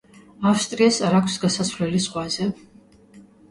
ავსტრიას არ აქვს გასასვლელი ზღვაზე.